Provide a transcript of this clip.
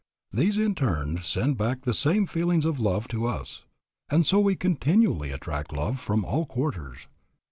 These in turn send back the same feelings of love to us, and so we continually attract love from all quarters.